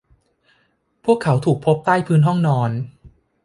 พวกเขาถูกพบใต้พื้นห้องนอน